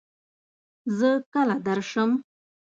زۀ کله درشم ؟